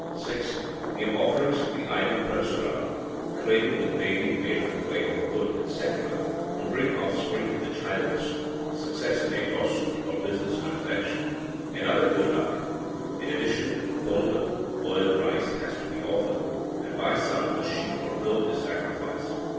(6) Giving offerings to the idol Parasurama, cradle with baby made of clay or wood, etc., to bring offspring to the childless, success in a lawsuit or business transaction, and other good luck. In addition, pongal (boiled rice) has to be offered, and by some a sheep or goat is sacrificed.